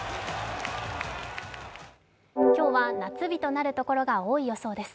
今日は夏日となるところが多い予想です。